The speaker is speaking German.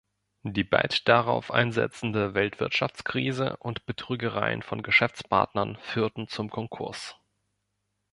Die bald darauf einsetzende Weltwirtschaftskrise und Betrügereien von Geschäftspartnern führten zum Konkurs.